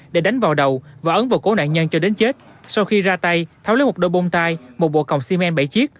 để đánh vào đầu và ấn vào cổ nạn nhân cho đến chết sau khi ra tay tháo lấy một đôi bông tai một bộ còng xi men bảy chiếc